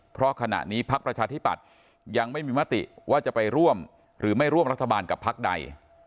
เพราะขณะนี้พักประชาธิปัตย์ยังไม่มีมติว่าจะไปร่วมหรือไม่ร่วมรัฐบาลกับพักใด